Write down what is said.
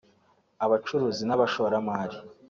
abacuruzi n’abashoramari